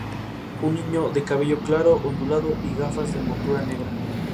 Se extrajeron además otros dos sencillos: "El juego y el juguete" y "Malditos refranes".